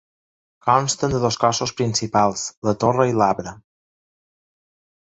Consten de dos cossos principals, la torre i l'arbre.